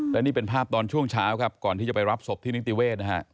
และนี่เป็นภาพตอนช่วงเช้าครับก่อนที่จะไปรับศพที่นิติเวศนะฮะ